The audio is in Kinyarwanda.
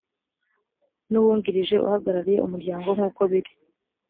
n uwungirije uhagarariye umuryango nk uko biri